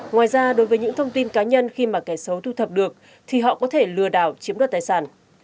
ngoài ra đối với những thông tin cá nhân khi mà kẻ xấu thu thập được thì họ có thể lừa đảo chiếm đoạt tài sản